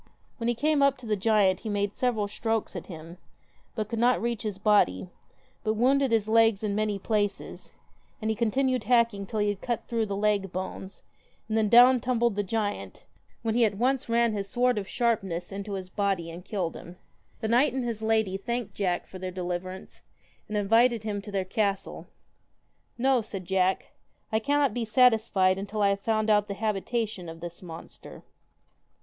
When he came up to the giant he made several strokes at him, but could not reach his body, but wounded his legs in many places; and he con tinued hacking till he had cut through the leg bones, and then down tumbled the giant, when he at once ran his sword of sharpness into his body and killed him. The knight and his lady thanked Jack for their deliverance, and invited him to their castle. * No,' said Jack, ' I cannot be satisfied until I have found out the habitation of this monster.'